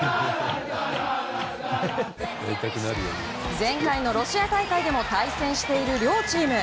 前回のロシア大会でも対戦している両チーム。